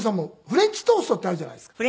フレンチトーストってあるじゃないですか。